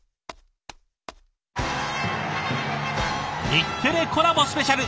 「日テレコラボスペシャル」